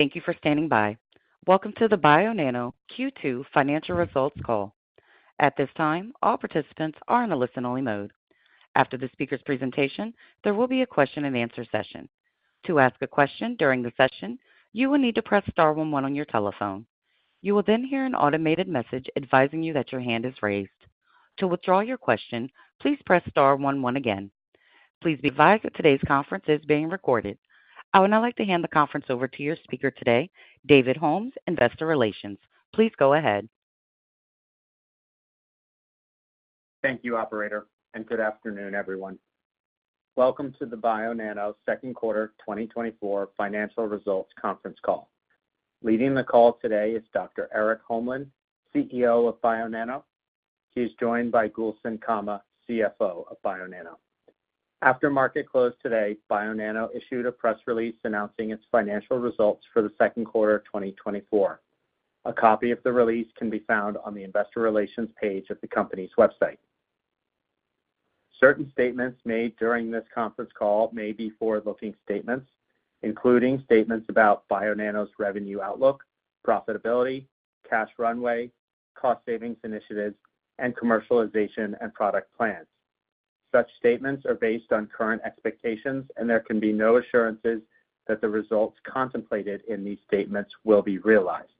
Thank you for standing by. Welcome to the Bionano Q2 financial results call. At this time, all participants are in a listen-only mode. After the speaker's presentation, there will be a question-and-answer session. To ask a question during the session, you will need to press star one one on your telephone. You will then hear an automated message advising you that your hand is raised. To withdraw your question, please press star one one again. Please be advised that today's conference is being recorded. I would now like to hand the conference over to your speaker today, David Holmes, Investor Relations. Please go ahead. Thank you, operator, and good afternoon, everyone. Welcome to the Bionano Second Quarter 2024 Financial Results Conference Call. Leading the call today is Dr. Erik Holmlin, CEO of Bionano. He's joined by Gülşen Kama, CFO of Bionano. After market close today, Bionano issued a press release announcing its financial results for the second quarter of 2024. A copy of the release can be found on the investor relations page of the company's website. Certain statements made during this conference call may be forward-looking statements, including statements about Bionano's revenue outlook, profitability, cash runway, cost savings initiatives, and commercialization and product plans. Such statements are based on current expectations, and there can be no assurances that the results contemplated in these statements will be realized.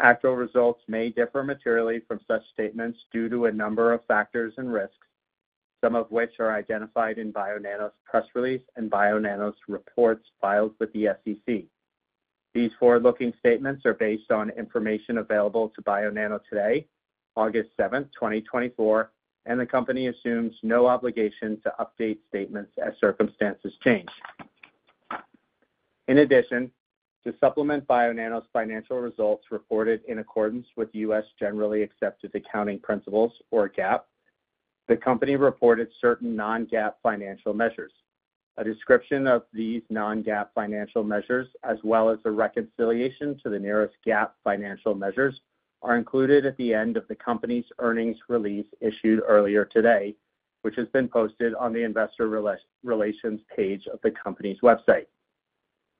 Actual results may differ materially from such statements due to a number of factors and risks, some of which are identified in Bionano's press release and Bionano's reports filed with the SEC. These forward-looking statements are based on information available to Bionano today, August 7th, 2024, and the company assumes no obligation to update statements as circumstances change. In addition, to supplement Bionano's financial results reported in accordance with U.S. generally accepted accounting principles, or GAAP, the company reported certain non-GAAP financial measures. A description of these non-GAAP financial measures, as well as a reconciliation to the nearest GAAP financial measures, are included at the end of the company's earnings release issued earlier today, which has been posted on the investor relations page of the company's website.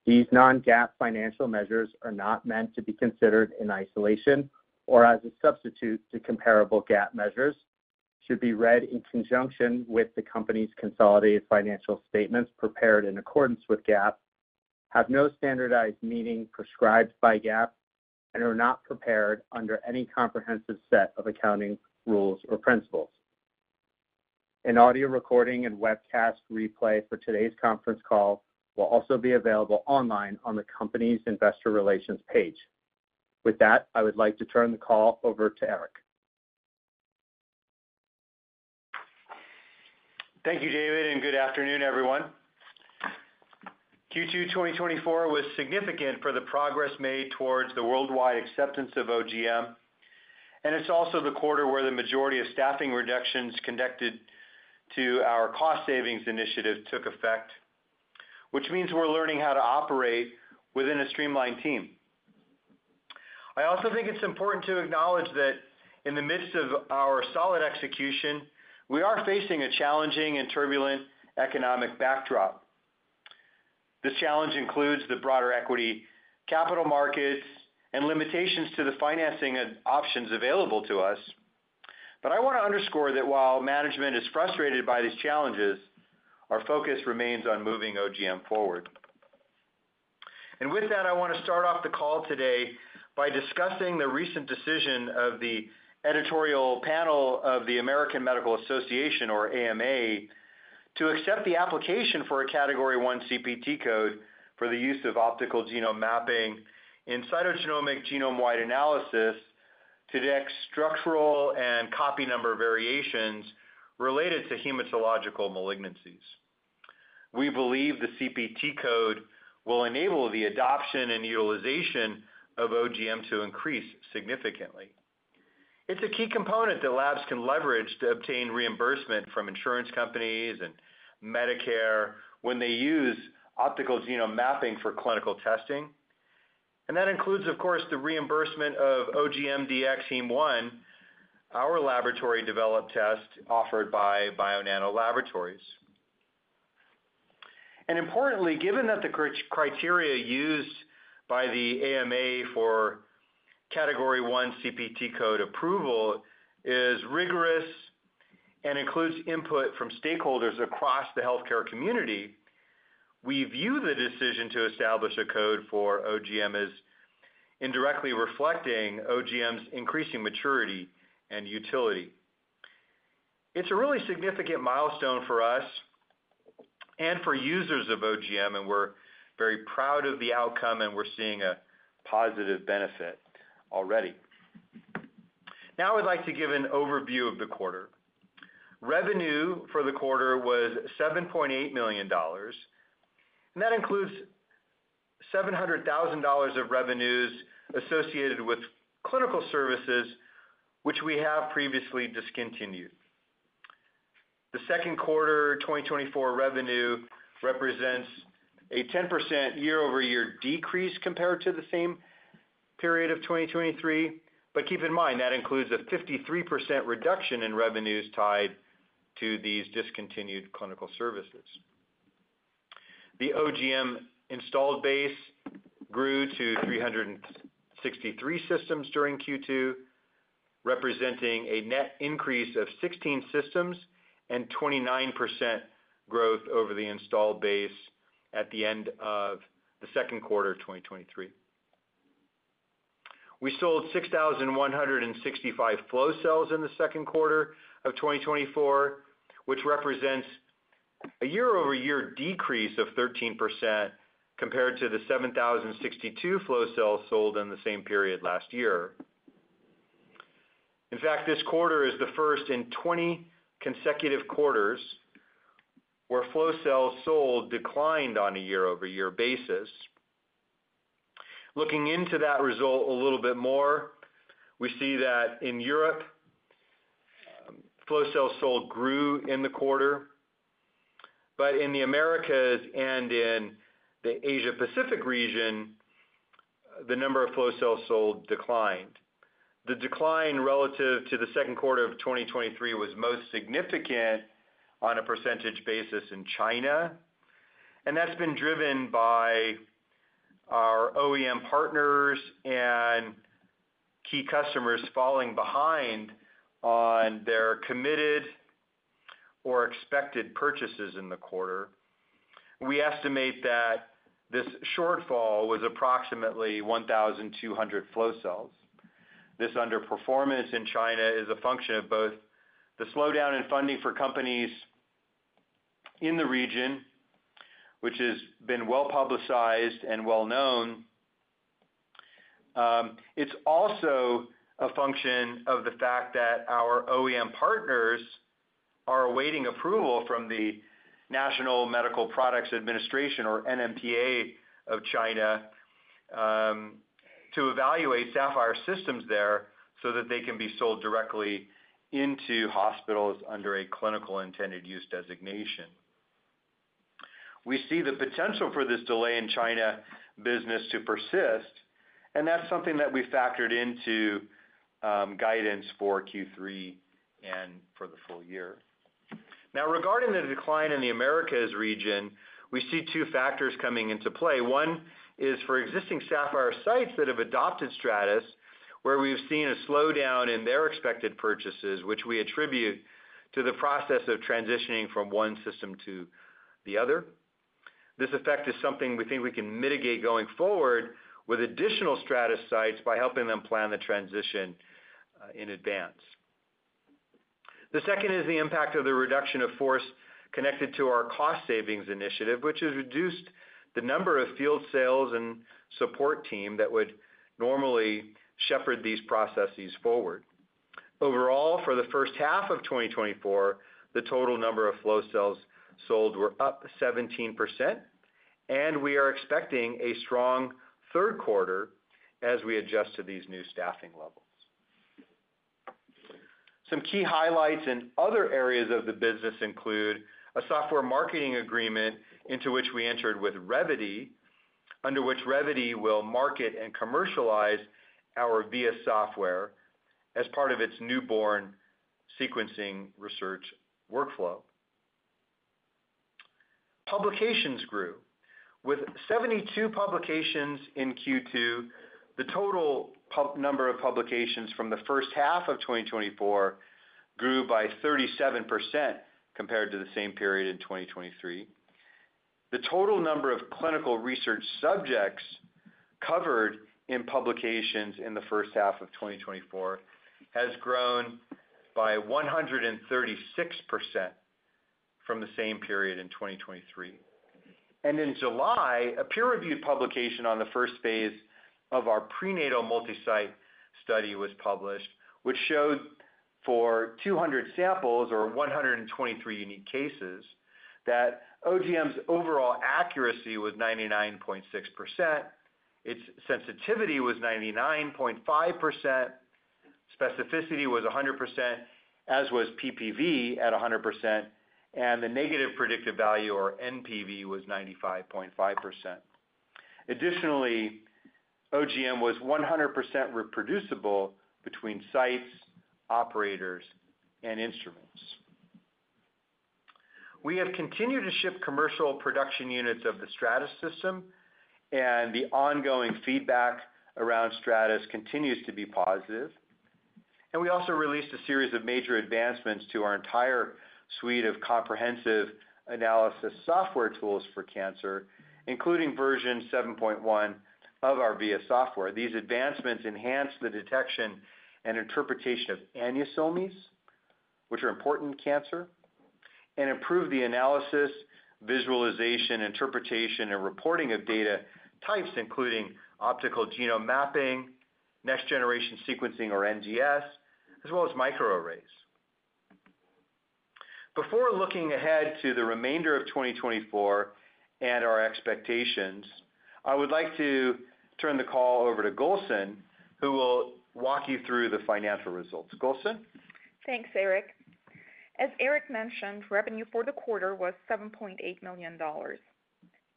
These non-GAAP financial measures are not meant to be considered in isolation or as a substitute to comparable GAAP measures, should be read in conjunction with the company's consolidated financial statements prepared in accordance with GAAP, have no standardized meaning prescribed by GAAP, and are not prepared under any comprehensive set of accounting rules or principles. An audio recording and webcast replay for today's conference call will also be available online on the company's investor relations page. With that, I would like to turn the call over to Erik. Thank you, David, and good afternoon, everyone. Q2 2024 was significant for the progress made towards the worldwide acceptance of OGM, and it's also the quarter where the majority of staffing reductions conducted to our cost savings initiative took effect, which means we're learning how to operate within a streamlined team. I also think it's important to acknowledge that in the midst of our solid execution, we are facing a challenging and turbulent economic backdrop. This challenge includes the broader equity, capital markets, and limitations to the financing and options available to us. But I want to underscore that while management is frustrated by these challenges, our focus remains on moving OGM forward. With that, I want to start off the call today by discussing the recent decision of the editorial panel of the American Medical Association, or AMA, to accept the application for a Category I CPT code for the use of optical genome mapping in cytogenomic genome-wide analysis to detect structural and copy number variations related to hematological malignancies. We believe the CPT code will enable the adoption and utilization of OGM to increase significantly. It's a key component that labs can leverage to obtain reimbursement from insurance companies and Medicare when they use optical genome mapping for clinical testing. That includes, of course, the reimbursement of OGM-Dx HemeOne, our laboratory-developed test offered by Bionano Laboratories. Importantly, given that the criteria used by the AMA for Category I CPT code approval is rigorous and includes input from stakeholders across the healthcare community, we view the decision to establish a code for OGM as indirectly reflecting OGM's increasing maturity and utility. It's a really significant milestone for us and for users of OGM, and we're very proud of the outcome, and we're seeing a positive benefit already. Now, I'd like to give an overview of the quarter. Revenue for the quarter was $7.8 million, and that includes $700,000 of revenues associated with clinical services, which we have previously discontinued. The second quarter 2024 revenue represents a 10% year-over-year decrease compared to the same period of 2023, but keep in mind, that includes a 53% reduction in revenues tied to these discontinued clinical services. The OGM installed base grew to 363 systems during Q2, representing a net increase of 16 systems and 29% growth over the installed base at the end of the second quarter of 2023. We sold 6,165 flow cells in the second quarter of 2024, which represents a year-over-year decrease of 13% compared to the 7,062 flow cells sold in the same period last year. In fact, this quarter is the first in 20 consecutive quarters, where flow cells sold declined on a year-over-year basis. Looking into that result a little bit more, we see that in Europe, flow cells sold grew in the quarter, but in the Americas and in the Asia Pacific region, the number of flow cells sold declined. The decline relative to the second quarter of 2023 was most significant on a percentage basis in China, and that's been driven by our OEM partners and key customers falling behind on their committed or expected purchases in the quarter. We estimate that this shortfall was approximately 1,200 flow cells. This underperformance in China is a function of both the slowdown in funding for companies in the region, which has been well-publicized and well-known. It's also a function of the fact that our OEM partners are awaiting approval from the National Medical Products Administration, or NMPA, of China, to evaluate Saphyr systems there so that they can be sold directly into hospitals under a clinical intended use designation. We see the potential for this delay in China business to persist, and that's something that we factored into, guidance for Q3 and for the full year. Now, regarding the decline in the Americas region, we see two factors coming into play. One is for existing Saphyr sites that have adopted Stratys, where we've seen a slowdown in their expected purchases, which we attribute to the process of transitioning from one system to the other. This effect is something we think we can mitigate going forward with additional Stratys sites by helping them plan the transition, in advance. The second is the impact of the reduction of force connected to our cost savings initiative, which has reduced the number of field sales and support team that would normally shepherd these processes forward. Overall, for the first half of 2024, the total number of flow cells sold were up 17%, and we are expecting a strong third quarter as we adjust to these new staffing levels. Some key highlights in other areas of the business include a software marketing agreement into which we entered with Revvity, under which Revvity will market and commercialize our VIA software as part of its newborn sequencing research workflow. Publications grew. With 72 publications in Q2, the total number of publications from the first half of 2024 grew by 37% compared to the same period in 2023. The total number of clinical research subjects covered in publications in the first half of 2024 has grown by 136% from the same period in 2023. In July, a peer-reviewed publication on the first phase of our prenatal multi-site study was published, which showed for 200 samples or 123 unique cases, that OGM's overall accuracy was 99.6%, its sensitivity was 99.5%, specificity was 100%, as was PPV at 100%, and the negative predictive value, or NPV, was 95.5%. Additionally, OGM was 100% reproducible between sites, operators, and instruments. We have continued to ship commercial production units of the Stratys system, and the ongoing feedback around Stratys continues to be positive. We also released a series of major advancements to our entire suite of comprehensive analysis software tools for cancer, including version 7.1 of our VIA software. These advancements enhance the detection and interpretation of aneuploidies, which are important in cancer, and improve the analysis, visualization, interpretation, and reporting of data types, including optical genome mapping, next-generation sequencing, or NGS, as well as microarrays. Before looking ahead to the remainder of 2024 and our expectations, I would like to turn the call over to Gülşen, who will walk you through the financial results. Gülşen? Thanks, Erik. As Erik mentioned, revenue for the quarter was $7.8 million.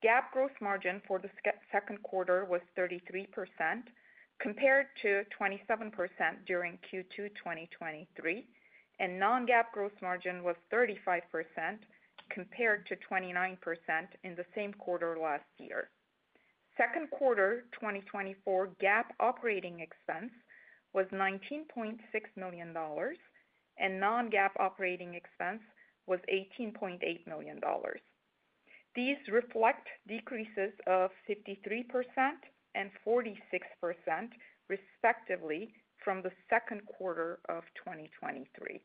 GAAP gross margin for the second quarter was 33%, compared to 27% during Q2 2023, and non-GAAP gross margin was 35%, compared to 29% in the same quarter last year. Second quarter 2024, GAAP operating expense was $19.6 million, and non-GAAP operating expense was $18.8 million. These reflect decreases of 53% and 46%, respectively, from the second quarter of 2023.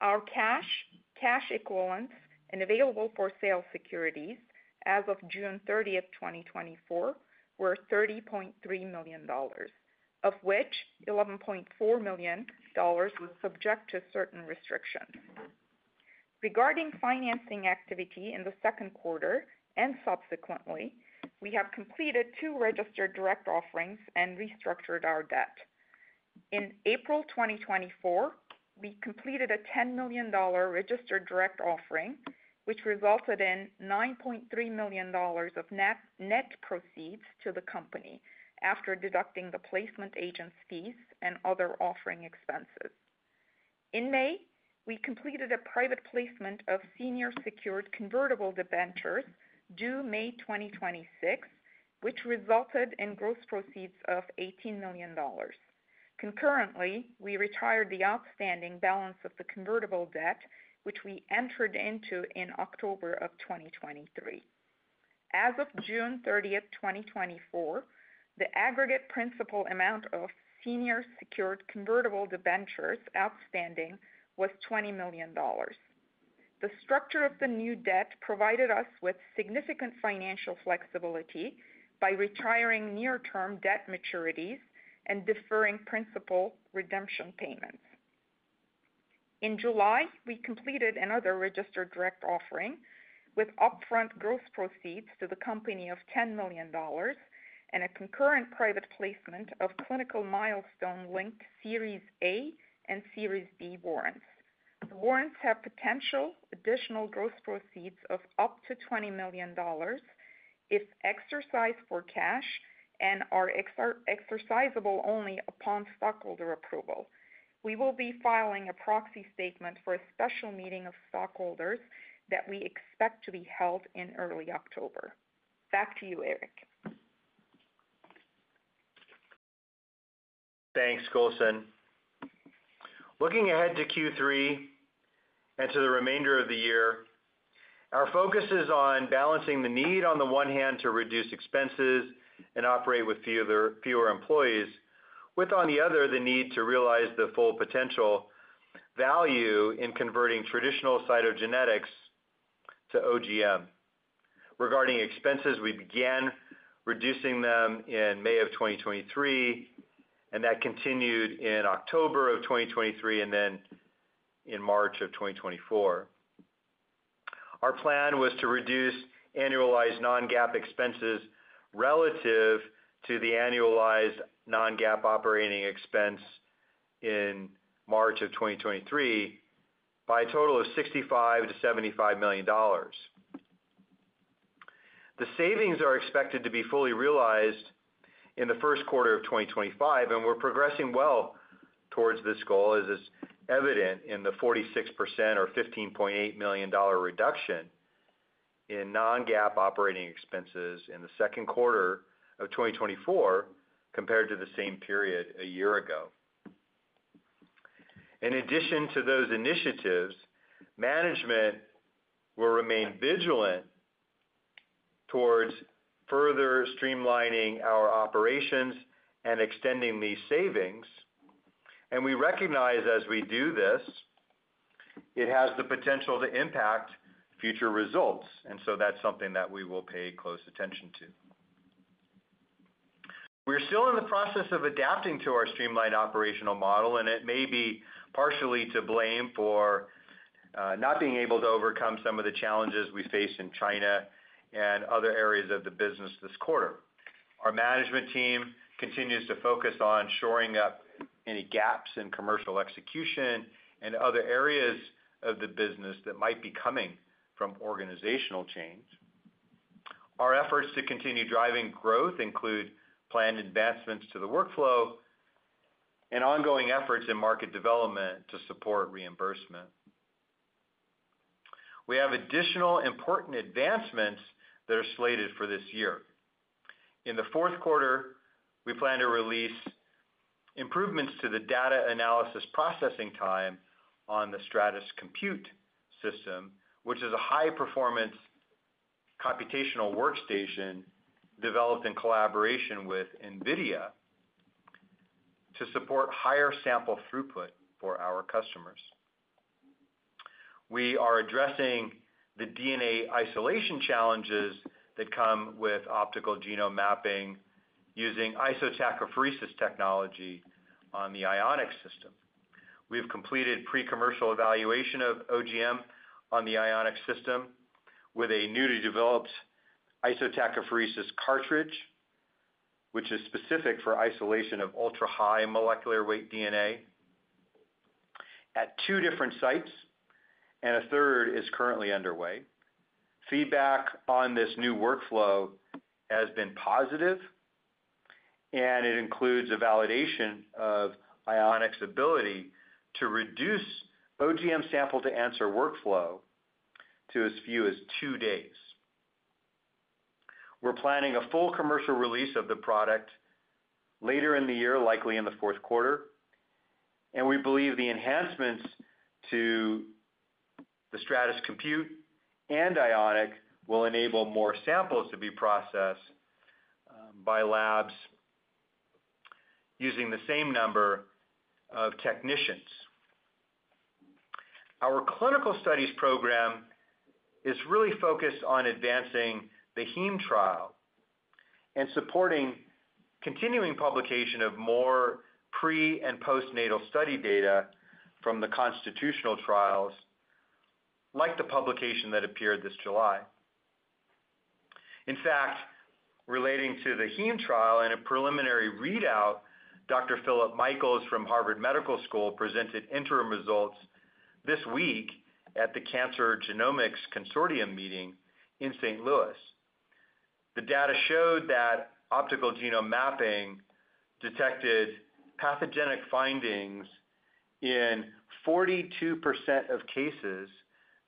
Our cash, cash equivalents, and available-for-sale securities as of June 30th, 2024, were $30.3 million, of which $11.4 million was subject to certain restrictions. Regarding financing activity in the second quarter and subsequently, we have completed two registered direct offerings and restructured our debt. In April 2024, we completed a $10 million registered direct offering, which resulted in $9.3 million of net, net proceeds to the company after deducting the placement agent's fees and other offering expenses. In May, we completed a private placement of senior secured convertible debentures due May 2026, which resulted in gross proceeds of $18 million. Concurrently, we retired the outstanding balance of the convertible debt, which we entered into in October 2023. As of June 30th, 2024, the aggregate principal amount of senior secured convertible debentures outstanding was $20 million. The structure of the new debt provided us with significant financial flexibility by retiring near-term term debt maturities and deferring principal redemption payments. In July, we completed another registered direct offering with upfront gross proceeds to the company of $10 million and a concurrent private placement of clinical milestone-linked Series A and Series B warrants. The warrants have potential additional gross proceeds of up to $20 million if exercised for cash and are exercisable only upon stockholder approval. We will be filing a proxy statement for a special meeting of stockholders that we expect to be held in early October. Back to you, Erik. Thanks, Gülşen. Looking ahead to Q3 and to the remainder of the year, our focus is on balancing the need, on the one hand, to reduce expenses and operate with fewer employees, with, on the other, the need to realize the full potential value in converting traditional cytogenetics to OGM. Regarding expenses, we began reducing them in May of 2023, and that continued in October of 2023, and then in March of 2024. Our plan was to reduce annualized non-GAAP expenses relative to the annualized non-GAAP operating expense in March of 2023, by a total of $65 million-$75 million. The savings are expected to be fully realized in the first quarter of 2025, and we're progressing well towards this goal, as is evident in the 46% or $15.8 million reduction in non-GAAP operating expenses in the second quarter of 2024, compared to the same period a year ago. In addition to those initiatives, management will remain vigilant towards further streamlining our operations and extending these savings, and we recognize as we do this, it has the potential to impact future results, and so that's something that we will pay close attention to. We're still in the process of adapting to our streamlined operational model, and it may be partially to blame for not being able to overcome some of the challenges we face in China and other areas of the business this quarter. Our management team continues to focus on shoring up any gaps in commercial execution and other areas of the business that might be coming from organizational change. Our efforts to continue driving growth include planned advancements to the workflow and ongoing efforts in market development to support reimbursement. We have additional important advancements that are slated for this year. In the fourth quarter, we plan to release improvements to the data analysis processing time on the Stratys Compute system, which is a high-performance computational workstation developed in collaboration with NVIDIA, to support higher sample throughput for our customers. We are addressing the DNA isolation challenges that come with optical genome mapping using isotachophoresis technology on the Ionic system. We have completed pre-commercial evaluation of OGM on the Ionic system with a newly developed isotachophoresis cartridge, which is specific for isolation of ultra-high molecular weight DNA. At two different sites, and a third is currently underway. Feedback on this new workflow has been positive, and it includes a validation of Ionic's ability to reduce OGM sample to answer workflow to as few as two days. We're planning a full commercial release of the product later in the year, likely in the fourth quarter, and we believe the enhancements to the Stratys Compute and Ionic will enable more samples to be processed by labs using the same number of technicians. Our clinical studies program is really focused on advancing the Heme trial and supporting continuing publication of more pre- and postnatal study data from the Constitutional trials, like the publication that appeared this July. In fact, relating to the Heme trial, in a preliminary readout, Dr. Philip Michaels from Harvard Medical School presented interim results this week at the Cancer Genomics Consortium meeting in St. Louis. The data showed that optical genome mapping detected pathogenic findings in 42% of cases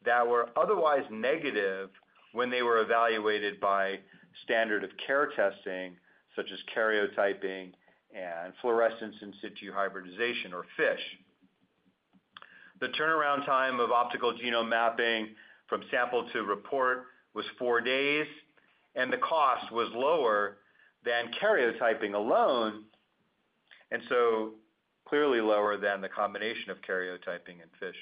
that were otherwise negative when they were evaluated by standard of care testing, such as karyotyping and fluorescence in situ hybridization, or FISH. The turnaround time of optical genome mapping from sample to report was four days, and the cost was lower than karyotyping alone, and so clearly lower than the combination of karyotyping and FISH.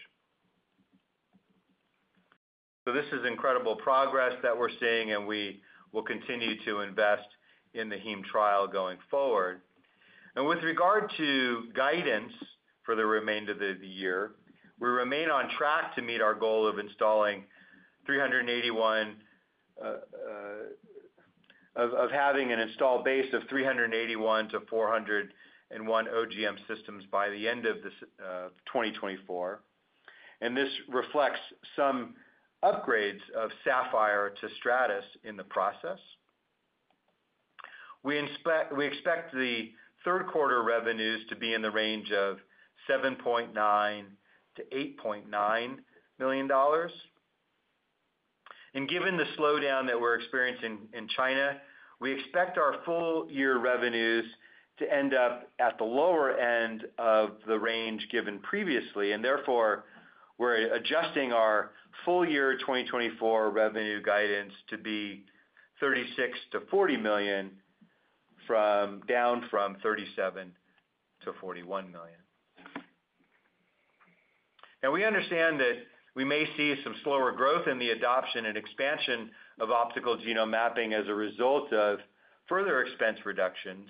So this is incredible progress that we're seeing, and we will continue to invest in the Heme trial going forward. And with regard to guidance for the remainder of the year, we remain on track to meet our goal of installing 381, of having an installed base of 381-401 OGM systems by the end of 2024, and this reflects some upgrades of Saphyr to Stratys in the process. We expect the third quarter revenues to be in the range of $7.9 million-$8.9 million. And given the slowdown that we're experiencing in China, we expect our full-year revenues to end up at the lower end of the range given previously, and therefore, we're adjusting our full-year 2024 revenue guidance to be $36 million-$40 million, down from $37 million-$41 million. Now, we understand that we may see some slower growth in the adoption and expansion of optical genome mapping as a result of further expense reductions,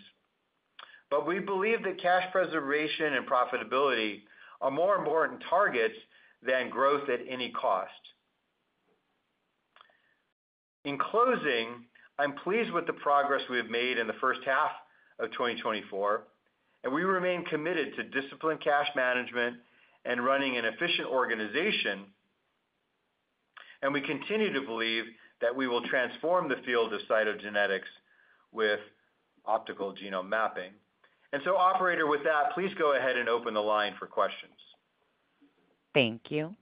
but we believe that cash preservation and profitability are more important targets than growth at any cost. In closing, I'm pleased with the progress we have made in the first half of 2024, and we remain committed to disciplined cash management and running an efficient organization, and we continue to believe that we will transform the field of cytogenetics with optical genome mapping. And so operator, with that, please go ahead and open the line for questions. Thank you.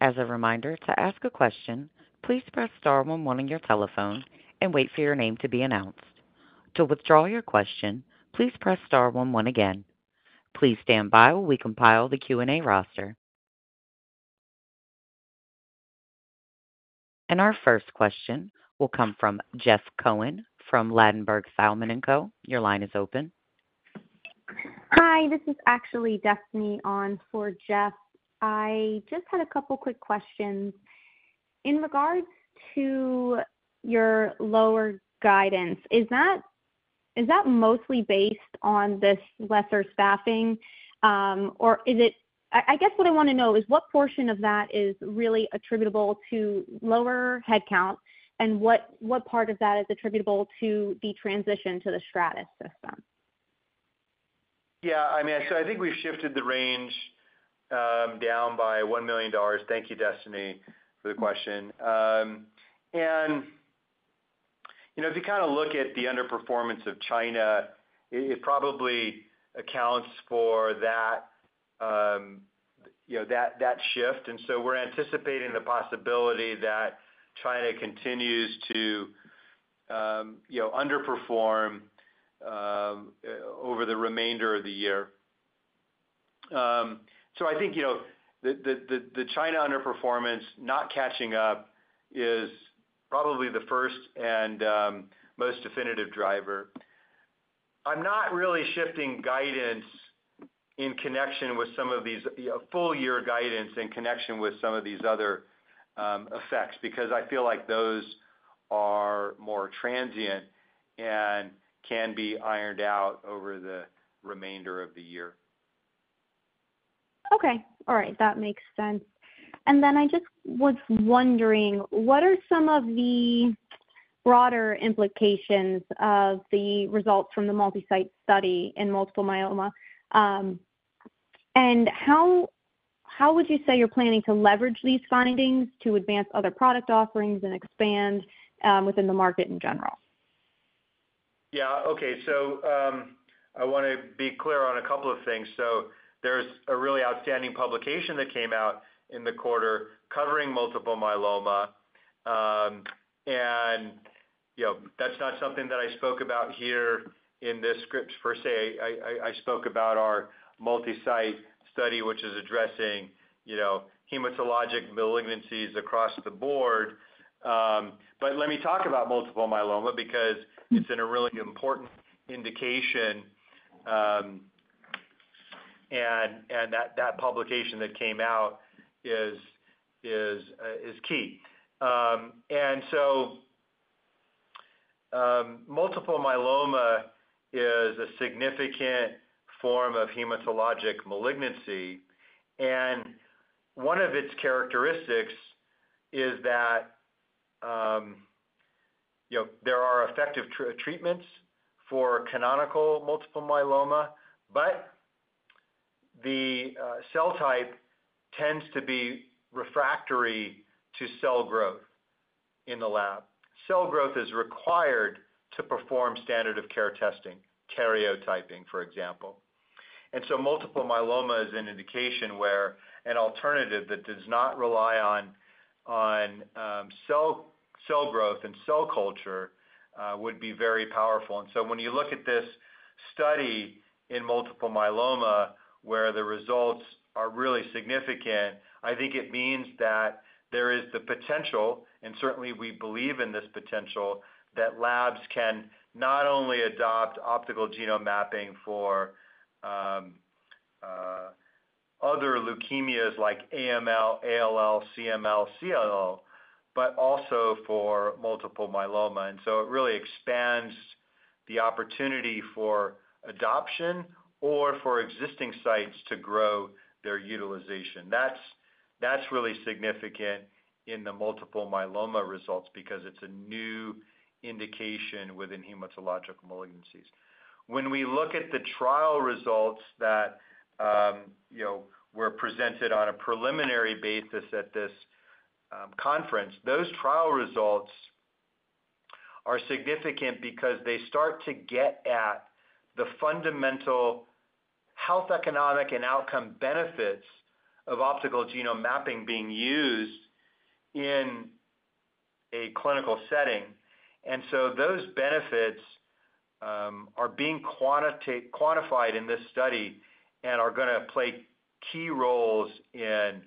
As a reminder, to ask a question, please press star one one on your telephone and wait for your name to be announced. To withdraw your question, please press star one one again. Please stand by while we compile the Q&A roster. Our first question will come from Jeff Cohen from Ladenburg Thalmann & Co. Your line is open. Hi, this is actually Destiny on for Jeff. I just had a couple quick questions. In regards to your lower guidance, is that, is that mostly based on this lesser staffing? Or is it, I guess, what I want to know is, what portion of that is really attributable to lower headcount, and what part of that is attributable to the transition to the Stratys system? Yeah, I mean, so I think we've shifted the range down by $1 million. Thank you, Destiny, for the question. And, you know, if you kind of look at the underperformance of China, it probably accounts for that, you know, that shift. And so we're anticipating the possibility that China continues to, you know, underperform over the remainder of the year. So I think, you know, the China underperformance not catching up is probably the first and most definitive driver. I'm not really shifting guidance in connection with some of these, you know, full year guidance in connection with some of these other effects, because I feel like those are more transient and can be ironed out over the remainder of the year. Okay. All right, that makes sense. And then I just was wondering, what are some of the broader implications of the results from the multi-site study in multiple myeloma? And how would you say you're planning to leverage these findings to advance other product offerings and expand within the market in general? Yeah, okay. So, I want to be clear on a couple of things. So there's a really outstanding publication that came out in the quarter covering multiple myeloma. And, you know, that's not something that I spoke about here in this script per se. I spoke about our multi-site study, which is addressing, you know, hematologic malignancies across the board. But let me talk about multiple myeloma because it's in a really important indication, and that publication that came out is key. And so, multiple myeloma is a significant form of hematologic malignancy, and one of its characteristics is that, you know, there are effective treatments for canonical multiple myeloma, but the cell type tends to be refractory to cell growth in the lab. Cell growth is required to perform standard of care testing, karyotyping, for example. And so multiple myeloma is an indication where an alternative that does not rely on cell growth and cell culture would be very powerful. And so when you look at this study in multiple myeloma, where the results are really significant, I think it means that there is the potential, and certainly we believe in this potential, that labs can not only adopt optical genome mapping for other leukemias like AML, ALL, CML, CLL, but also for multiple myeloma. And so it really expands the opportunity for adoption or for existing sites to grow their utilization. That's really significant in the multiple myeloma results because it's a new indication within hematologic malignancies. When we look at the trial results that, you know, were presented on a preliminary basis at this conference, those trial results are significant because they start to get at the fundamental health, economic, and outcome benefits of optical genome mapping being used in a clinical setting. And so those benefits are being quantified in this study and are gonna play key roles in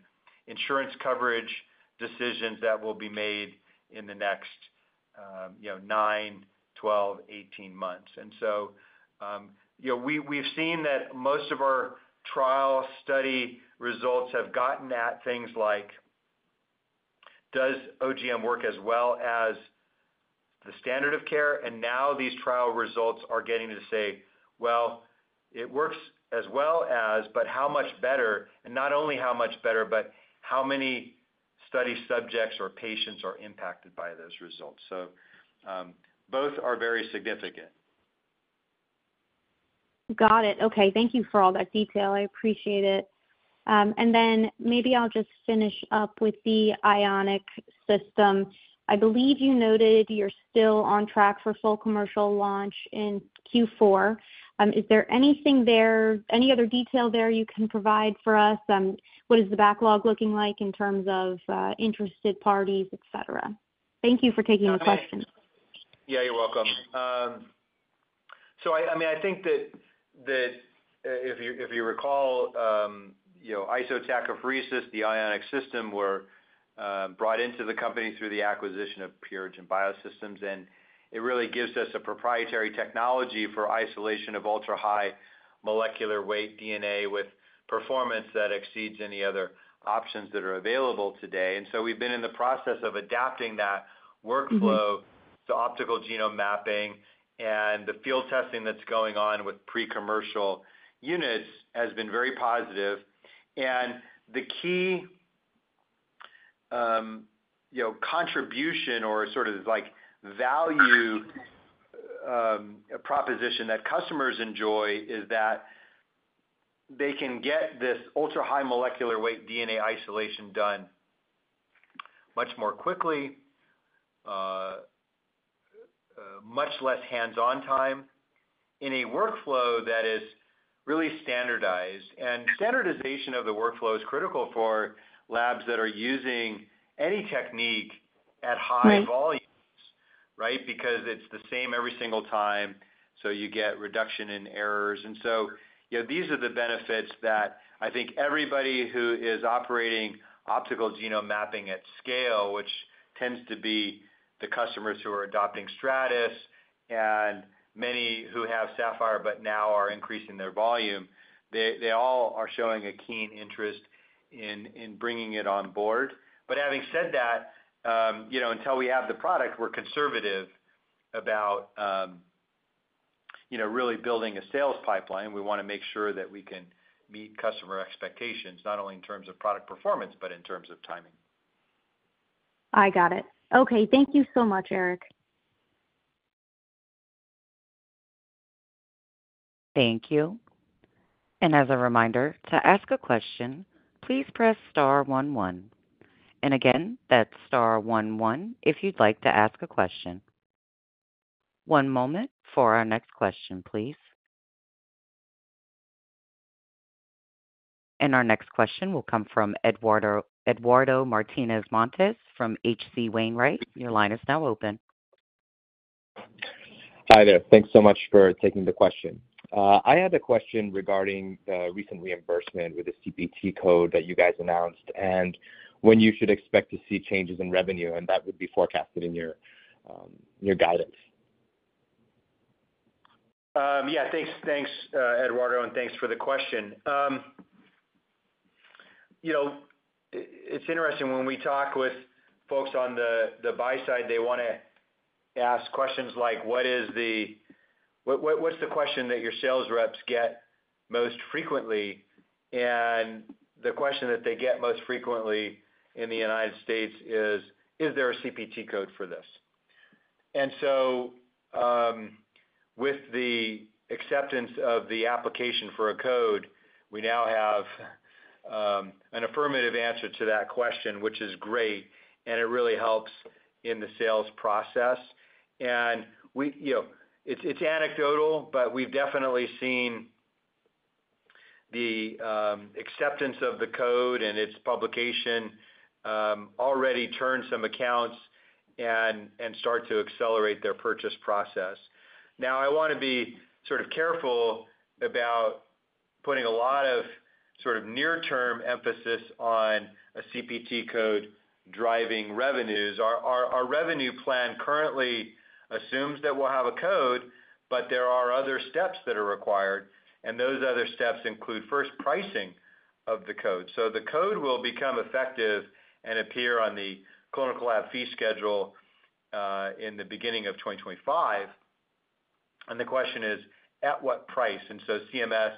insurance coverage decisions that will be made in the next, you know, 9, 12, 18 months. And so, you know, we, we've seen that most of our trial study results have gotten at things like, does OGM work as well as the standard of care? And now these trial results are getting to say, well, it works as well as, but how much better? Not only how much better, but how many study subjects or patients are impacted by those results. Both are very significant. Got it. Okay, thank you for all that detail. I appreciate it. And then maybe I'll just finish up with the Ionic system. I believe you noted you're still on track for full commercial launch in Q4. Is there anything there, any other detail there you can provide for us? What is the backlog looking like in terms of interested parties, et cetera? Thank you for taking the question. Yeah, you're welcome. So I mean, I think that if you recall, you know, isotachophoresis, the Ionic system, were brought into the company through the acquisition of Purigen Biosystems, and it really gives us a proprietary technology for isolation of ultra-high molecular weight DNA with performance that exceeds any other options that are available today. And so we've been in the process of adapting that workflow- Mm-hmm. - to optical genome mapping, and the field testing that's going on with pre-commercial units has been very positive. And the key, you know, contribution or sort of like value proposition that customers enjoy is that they can get this ultra-high molecular weight DNA isolation done much more quickly, much less hands-on time in a workflow that is really standardized. And standardization of the workflow is critical for labs that are using any technique at high volumes- Mm. Right? Because it's the same every single time, so you get reduction in errors. And so, you know, these are the benefits that I think everybody who is operating optical genome mapping at scale, which tends to be the customers who are adopting Stratys and many who have Saphyr, but now are increasing their volume, they all are showing a keen interest in bringing it on board. But having said that, you know, until we have the product, we're conservative about, you know, really building a sales pipeline, we want to make sure that we can meet customer expectations, not only in terms of product performance, but in terms of timing. I got it. Okay, thank you so much, Erik. Thank you. And as a reminder, to ask a question, please press star one, one. And again, that's star one, one, if you'd like to ask a question. One moment for our next question, please. And our next question will come from Eduardo Martinez-Montes from H.C. Wainwright. Your line is now open. Hi there. Thanks so much for taking the question. I had a question regarding the recent reimbursement with the CPT code that you guys announced, and when you should expect to see changes in revenue, and that would be forecasted in your, your guidance? Yeah, thanks, thanks, Eduardo, and thanks for the question. You know, it's interesting, when we talk with folks on the buy side, they want to ask questions like: What is the-- What's the question that your sales reps get most frequently? And the question that they get most frequently in the United States is, Is there a CPT code for this? And so, with the acceptance of the application for a code, we now have an affirmative answer to that question, which is great, and it really helps in the sales process. And, you know, it's anecdotal, but we've definitely seen the acceptance of the code and its publication already turn some accounts and start to accelerate their purchase process. Now, I want to be sort of careful about putting a lot of sort of near-term emphasis on a CPT code driving revenues. Our revenue plan currently assumes that we'll have a code, but there are other steps that are required, and those other steps include, first, pricing of the code. So the code will become effective and appear on the Clinical Lab Fee Schedule in the beginning of 2025. And the question is: At what price? And so CMS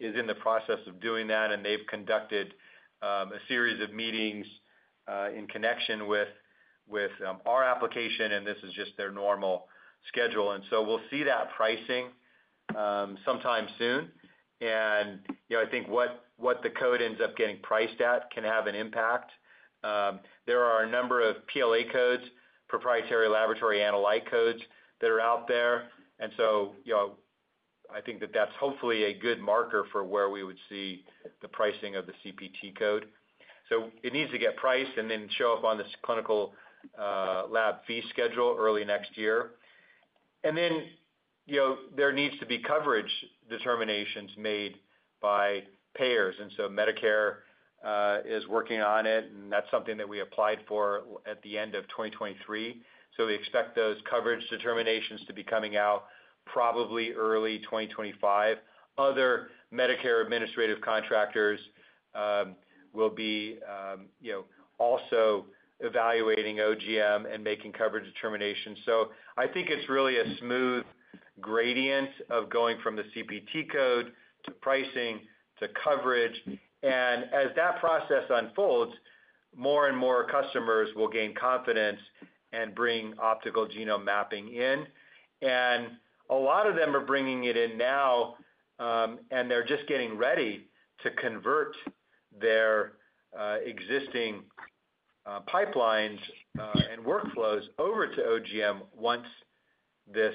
is in the process of doing that, and they've conducted a series of meetings in connection with our application, and this is just their normal schedule. And so we'll see that pricing sometime soon. And, you know, I think what the code ends up getting priced at can have an impact. There are a number of PLA codes, Proprietary Laboratory Analyses codes, that are out there. And so, you know, I think that that's hopefully a good marker for where we would see the pricing of the CPT code. So it needs to get priced and then show up on this Clinical Lab Fee Schedule early next year. And then, you know, there needs to be coverage determinations made by payers, and so Medicare is working on it, and that's something that we applied for at the end of 2023. So we expect those coverage determinations to be coming out probably early 2025. Other Medicare administrative contractors will be, you know, also evaluating OGM and making coverage determinations. So I think it's really a smooth gradient of going from the CPT code, to pricing, to coverage. As that process unfolds, more and more customers will gain confidence and bring optical genome mapping in. A lot of them are bringing it in now, and they're just getting ready to convert their existing pipelines and workflows over to OGM once this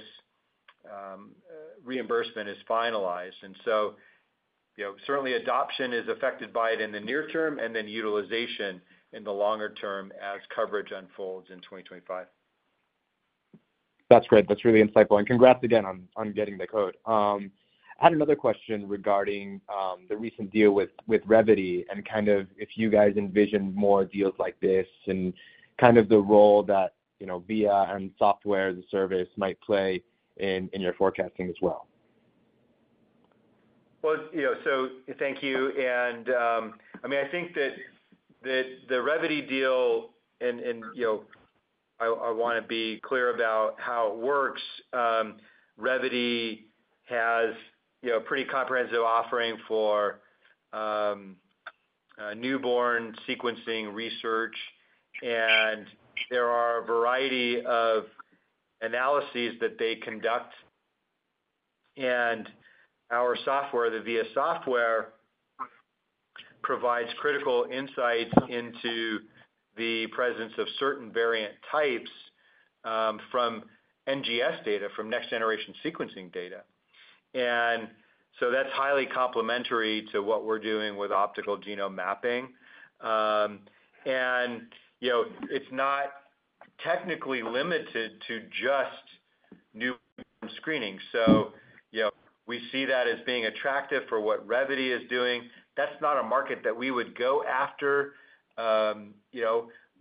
reimbursement is finalized. And so, you know, certainly adoption is affected by it in the near term, and then utilization in the longer term as coverage unfolds in 2025. That's great. That's really insightful, and congrats again on getting the code. I had another question regarding the recent deal with Revvity and kind of if you guys envision more deals like this and kind of the role that, you know, VIA and software as a service might play in your forecasting as well. Well, you know, thank you. I mean, I think that the Revvity deal and, you know, I want to be clear about how it works. Revvity has a pretty comprehensive offering for newborn sequencing research, and there are a variety of analyses that they conduct. Our software, the VIA software, provides critical insight into the presence of certain variant types from NGS data, from next-generation sequencing data. So that's highly complementary to what we're doing with optical genome mapping. And, you know, it's not technically limited to just newborn screening. We see that as being attractive for what Revvity is doing. That's not a market that we would go after,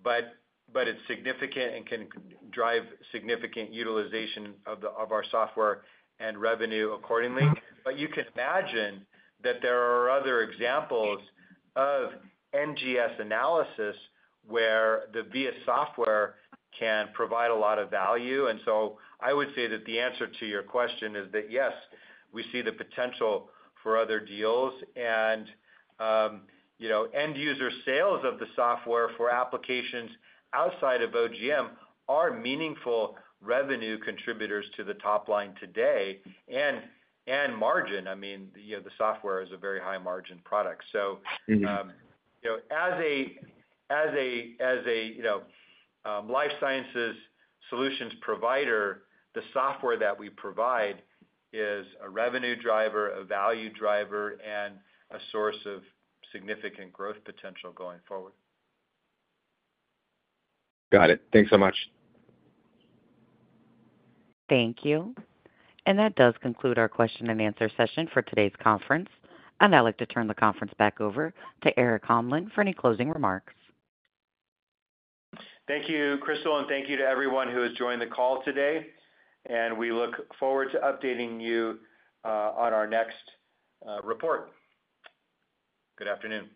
but it's significant and can drive significant utilization of our software and revenue accordingly. But you can imagine that there are other examples of NGS analysis where the VIA software can provide a lot of value. So I would say that the answer to your question is that, yes, we see the potential for other deals, and, you know, end-user sales of the software for applications outside of OGM are meaningful revenue contributors to the top line today and margin. I mean, you know, the software is a very high-margin product. Mm-hmm. You know, as a life sciences solutions provider, the software that we provide is a revenue driver, a value driver, and a source of significant growth potential going forward. Got it. Thanks so much. Thank you. That does conclude our question-and-answer session for today's conference. I'd now like to turn the conference back over to Erik Holmlin for any closing remarks. Thank you, Crystal, and thank you to everyone who has joined the call today, and we look forward to updating you on our next report. Good afternoon.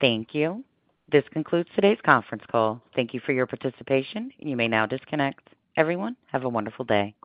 Thank you. This concludes today's conference call. Thank you for your participation. You may now disconnect. Everyone, have a wonderful day.